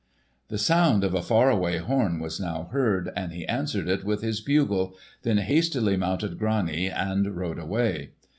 The sound of a far away horn was now heard, and he answered it with his bugle, then hastily mounted Grani and rode away.